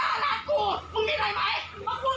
กลับมาพร้อมขอบความ